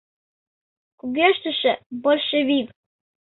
Кугештыше — большевик.